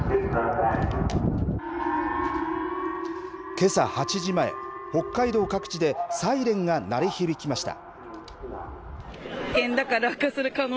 けさ８時前北海道各地でサイレンが鳴り響きました。